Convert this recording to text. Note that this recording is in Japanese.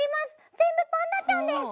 全部パンダちゃんです。